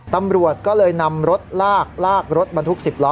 ตำรวจก็เลยนำรถลากลากรถบรรทุก๑๐ล้อ